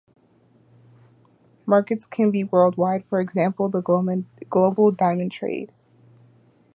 Markets can also be worldwide, for example the global diamond trade.